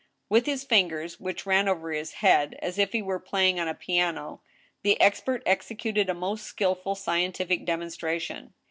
With his fingers, which ran over his head, as if he were playing on a piano, the expert executed a most skillful scientific demonstra tion.